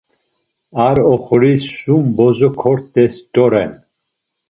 Ar oxoris sum bozo kort̆es doren.